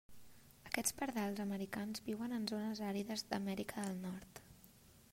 Aquests pardals americans viuen en zones àrides d'Amèrica del Nord.